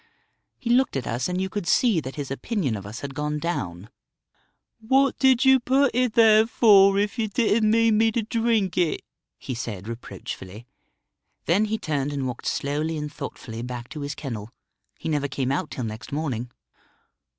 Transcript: He looked at us, and you could see that his opinion of us had gone down. 'What did you put it there for, if you didn't mean me to drink it?' he said reproachfully. Then he turned and walked slowly and thoughtfully back to his kennel. He never came out till next morning."